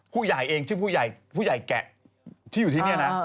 ผู้ใหญ่เองชื่อผู้ใหญ่แกะที่อยู่ที่นี่นะ